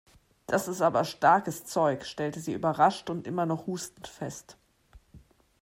Das ist aber starkes Zeug!, stellte sie überrascht und immer noch hustend fest.